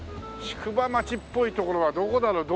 宿場町っぽいところはどこだろう？